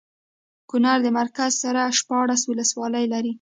کونړ د مرکز سره شپاړس ولسوالۍ لري